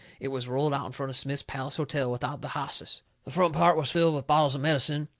It was rolled out in front of Smith's Palace Hotel without the hosses. The front part was filled with bottles of medicine.